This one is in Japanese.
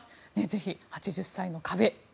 ぜひ「８０歳の壁」